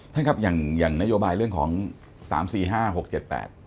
ท่านครับอย่างอย่างนโยบายเรื่องของสามสี่ห้าหกเจ็ดแปด